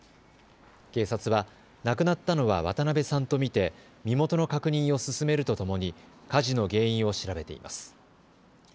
警察は亡くなったのは渡邊さんと見て身元の確認を進めるとともに火事の原因を調べています。